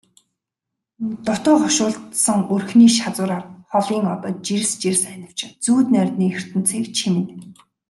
Дутуу хошуулдсан өрхний шазуураар холын одод жирс жирс анивчин зүүд нойрны ертөнцийг чимнэ.